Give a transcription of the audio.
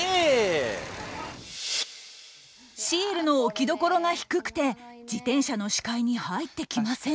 シールの置き所が低くて自転車の視界に入ってきません。